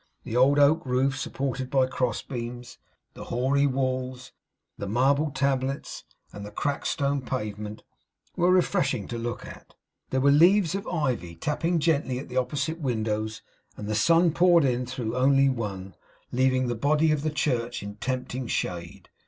The old oak roof supported by cross beams, the hoary walls, the marble tablets, and the cracked stone pavement, were refreshing to look at. There were leaves of ivy tapping gently at the opposite windows; and the sun poured in through only one; leaving the body of the church in tempting shade.